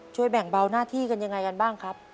แบ่งเบาหน้าที่กันยังไงกันบ้างครับ